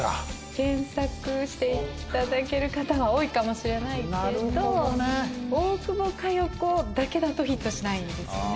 検索していただける方が多いかもしれないけど「大久保佳代子」だけだとヒットしないんですよね。